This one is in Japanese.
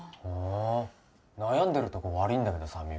ほーお悩んでるとこ悪いんだけどさ